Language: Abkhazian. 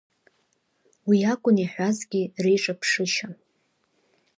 Уи акәын иаҳәазгьы реиҿаԥшышьа.